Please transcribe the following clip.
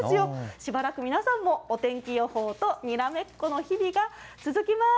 しばらく皆さんも、お天気予報とにらめっこの日々が続きます。